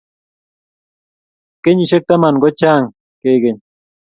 Kenyisek taman ko chang ke keny